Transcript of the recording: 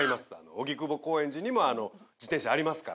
荻窪・高円寺にも自転車ありますから。